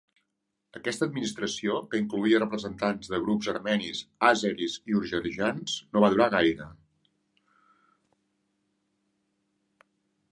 Aquesta administració, que incloïa representants de grups armenis, àzeris i georgians, no va durar gaire.